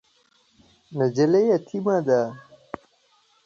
نجلۍ یتیمه ده .